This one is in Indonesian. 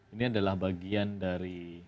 ini adalah bagian dari